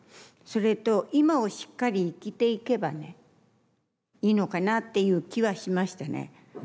それと今をしっかり生きていけばねいいのかなっていう気はしましたね。